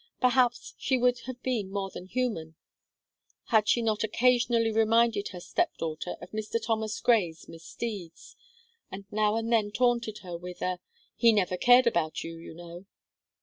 Perhaps, she would have been more than human, had she not occasionally reminded her step daughter of Mr. Thomas Gray's misdeeds, and now and then taunted her with a "He never cared about you you know."